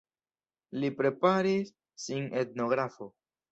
Li preparis sin etnografo.